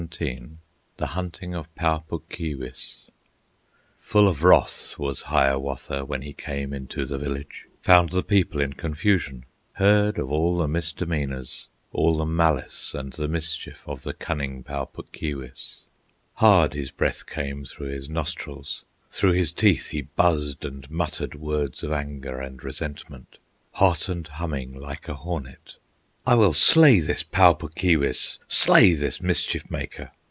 XVII The Hunting of Pau Puk Keewis Full of wrath was Hiawatha When he came into the village, Found the people in confusion, Heard of all the misdemeanors, All the malice and the mischief, Of the cunning Pau Puk Keewis. Hard his breath came through his nostrils, Through his teeth he buzzed and muttered Words of anger and resentment, Hot and humming, like a hornet. "I will slay this Pau Puk Keewis, Slay this mischief maker!"